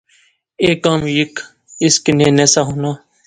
یو کم ہیک اس کنے نہسا ہونا